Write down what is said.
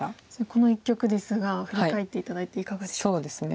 この一局ですが振り返って頂いていかがでしたか？